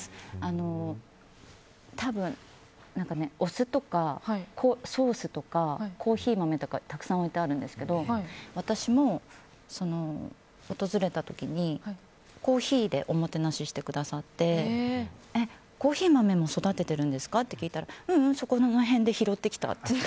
多分お酢とかソースとかコーヒー豆とかたくさん置いてあるんですけど私も、訪れた時にコーヒーでおもてなししてくださってコーヒー豆も育ててるんですかって聞いたらううん、そこら辺で拾ってきたって。